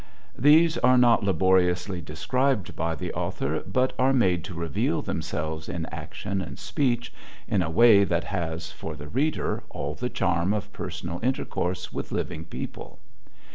These are not laboriously described by the author, but are made to reveal themselves in action and speech in a way that has, for the reader, all the charm of personal intercourse with living people.